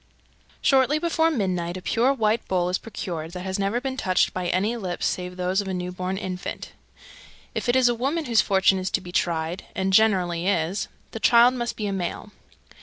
_ 308. Shortly before midnight a pure white bowl is procured, that has never been touched by any lips save those of a new born infant. If it is a woman whose fortune is to be tried (and it generally is) the child must be a male.